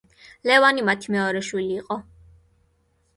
ლევანი მათი მეორე შვილი იყო.